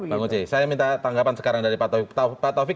bang oce saya minta tanggapan sekarang dari pak taufik